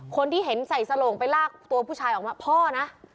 คนที่เห็นใส่สลงไปลากตัวผู้ชายออกมาพ่อนะ